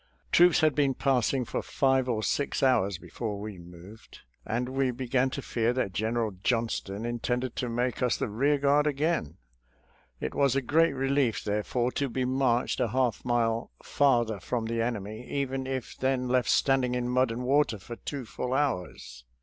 Troops had been passing for five or six hours before we moved, and we began to fear that General Johnston intended to make us the rear guard again. It was a great relief therefore to be marched a half mile farther from the enemy, even if then left standing in mud and water for two full hours.